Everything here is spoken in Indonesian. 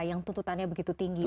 yang tuntutannya begitu tinggi